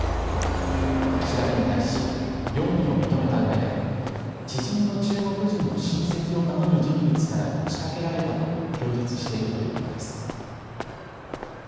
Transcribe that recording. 調べに対し、容疑を認めたうえで知人の中国人の親戚を名乗る人物から持ちかけられたと供述しているということです。